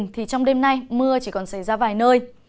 thì trong đêm nay mưa chỉ còn xảy ra vài nơi